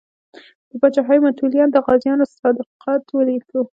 د پاچاهۍ متولیانو د غازیانو صداقت ولیدو.